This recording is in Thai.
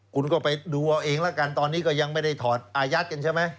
คุณก็ไปดูเอาเองแล้วกันตอนนี้ก็ยังไม่ได้ถอดอายัดกันใช่ไหม